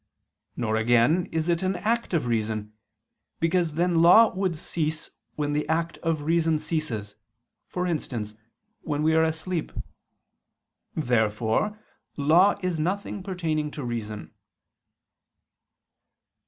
Nor again is it an act of reason: because then law would cease, when the act of reason ceases, for instance, while we are asleep. Therefore law is nothing pertaining to reason.